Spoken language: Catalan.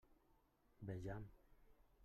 Vejam.